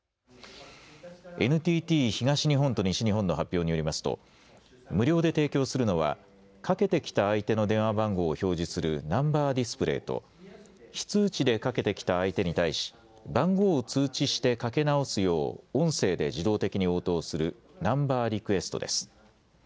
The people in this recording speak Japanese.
ＮＴＴ東日本と西日本の発表によりますと無料で提供するのはかけてきた相手の電話番号を表示するナンバー・ディスプレイと非通知でかけてきた相手に対し番号を通知してかけ直すよう音声で自動的に応答するナンバー・リクエストです。